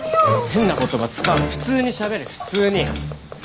変な言葉使うな普通にしゃべれ普通に。